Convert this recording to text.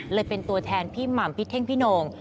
เลยเป็นตัวแทนพี่หม่ำพี่เท่งพี่โน่ง